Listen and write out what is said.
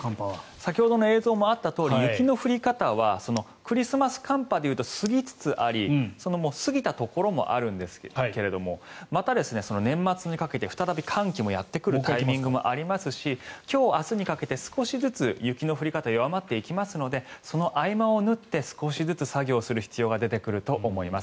先ほどの映像もあったとおりゆきの降り方はクリスマス寒波は過ぎつつあり過ぎたところもあるんですけれどまた、年末にかけて再び寒気もやってくるタイミングもありますし今日明日にかけて少しずつ雪の降り方が弱まっていきますのでその合間を縫って少しずつ作業をする必要が出てくると思います。